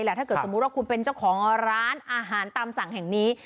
ถ้าเกิดสมมุติว่าคุณเป็นเจ้าของร้านอาหารตามสั่งแห่งนี้